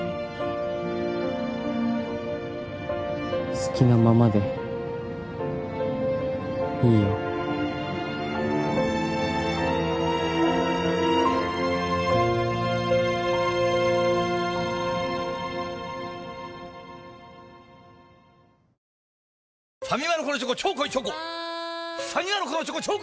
好きなままでいいよファミマのこのチョコ超濃いチョコあん